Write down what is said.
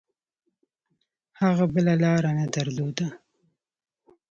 هغه بله لاره نه درلوده.